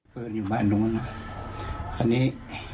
เปิ้ลอยู่บ้านตรงนั้นคราวนี้